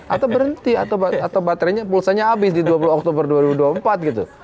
atau berhenti atau baterainya pulsanya habis di dua puluh oktober dua ribu dua puluh empat gitu